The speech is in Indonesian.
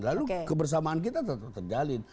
lalu kebersamaan kita tetap terjalin